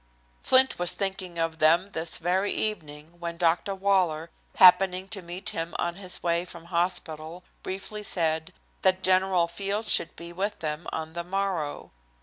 Flint was thinking of them this very evening when Dr. Waller, happening to meet him on his way from hospital briefly said that General Field should be with them on the morrow.